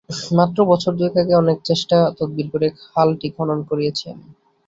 মাত্র বছর দুয়েক আগে অনেক চেষ্টা-তদবির করে খালটি খনন করিয়েছি আমি।